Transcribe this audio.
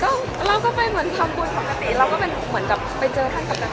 เราก็ไปเหมือนทำบุญปกติเราก็เป็นเหมือนกับไปเจอท่านกับนายก